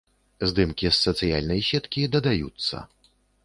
Здымкі з сацыяльнай сеткі дадаюцца.